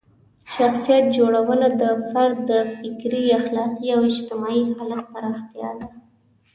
شخصیت جوړونه د فرد د فکري، اخلاقي او اجتماعي حالت پراختیا ده.